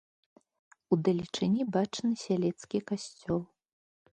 Удалечыні бачны сялецкі касцёл.